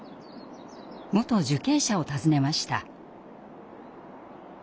元受刑者を訪ねました。